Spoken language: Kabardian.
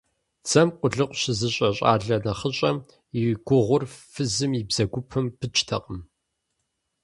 Дзэм къулыкъу щызыщӀэ щӀалэ нэхъыщӀэм и гугъур фызым и бзэгупэм пыкӀтэкъым.